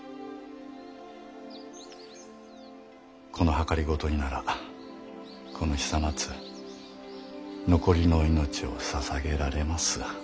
この謀にならこの久松残りの命をささげられます。